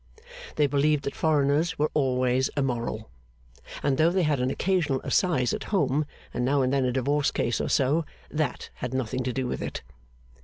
They believed that foreigners were always immoral; and though they had an occasional assize at home, and now and then a divorce case or so, that had nothing to do with it.